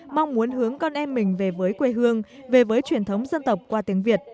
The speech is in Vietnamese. mong muốn hướng con em mình về với quê hương về với truyền thống dân tộc qua tiếng việt